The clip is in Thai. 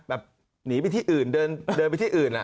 หนีไปที่อื่นเดินไปที่อื่น